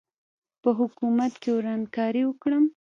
په حکومت کې ورانکاري وکړم.